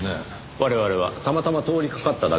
我々はたまたま通りかかっただけですから。